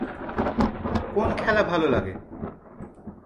কোন খেলা ভালো লাগে?